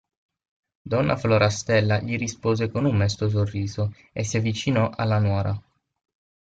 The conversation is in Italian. Donna Florastella gli rispose con un mesto sorriso e si avvicinò alla nuora.